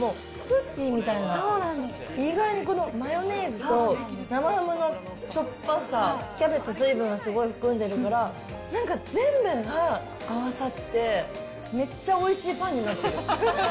意外にこのマヨネーズと、生ハムのしょっぱさ、キャベツ、水分すごい含んでるから、なんか全部が合わさって、めっちゃおいしいパンになってる。